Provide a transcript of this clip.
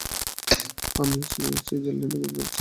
আমি এখন সুইজরলণ্ডে ঘুরে বেড়াচ্ছি।